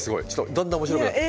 だんだん面白くなってきた。